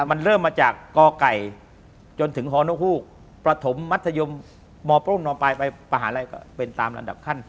มันเริ่มมาจากกไก่จนถึงฮฮประถมมมปนปปภก็เป็นตามลันดับขั้น